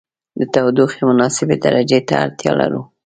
د تودوخې مناسبې درجې ته اړتیا لرو.